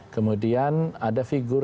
kemudian ada figur